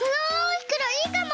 ふくろいいかも！